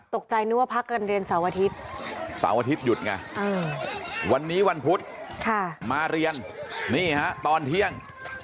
นึกว่าพักกันเรียนเสาร์อาทิตย์เสาร์อาทิตยุดไงวันนี้วันพุธมาเรียนนี่ฮะตอนเที่ยง